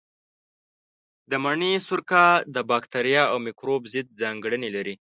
د مڼې سرکه د باکتریا او مېکروب ضد ځانګړنې لري.